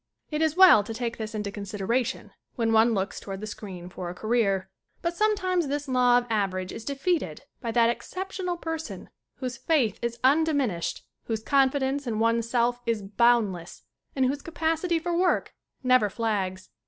It is well to take this into consideration when one looks toward the screen for a career. But sometimes this law of average is de feated by that exceptional person whose faith is undiminished, whose confidence in one's self is boundless and whose capacity for work never flags.